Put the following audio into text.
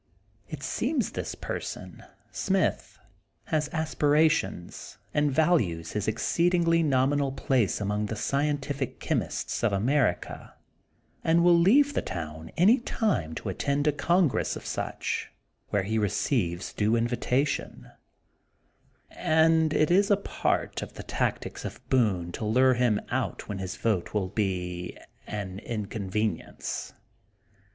It seems this per son, Smith, has aspirations, and values his exceedingly nominal place among the scien tific chemists of America and will leave the town any time to attend a congress of such, where he receives due invitation: — and it is part of the tactics of Boone to lure him out when his vote will be an inconvenience.